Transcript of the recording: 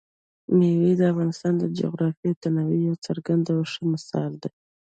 مېوې د افغانستان د جغرافیوي تنوع یو څرګند او ښه مثال دی.